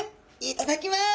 いただきます。